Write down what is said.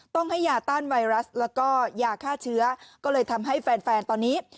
ต้องให้ยาต้านไวรัสแล้วก็ยาฆ่าเชื้อก็เลยทำให้แฟนตอนนี้